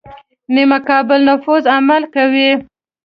نیمه قابل نفوذ عمل کوي.